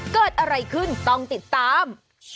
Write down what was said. เกิดอะไรขึ้นต้องติดตาม